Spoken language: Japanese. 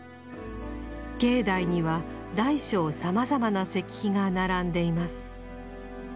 境内には大小さまざまな石碑が並んでいます。